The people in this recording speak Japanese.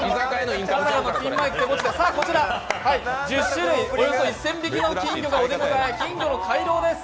１０種類およそ１０００匹の金魚がお出迎え金魚の回廊です。